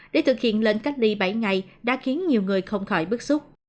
để thực hiện lệnh cách ly bảy ngày đã khiến nhiều người không khỏi bức xúc